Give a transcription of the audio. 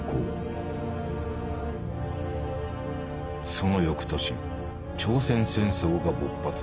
その翌年朝鮮戦争が勃発。